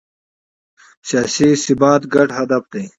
سیاسي ثبات ګډ هدف دی